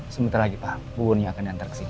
sebentar lagi pak buurnya akan diantar kesini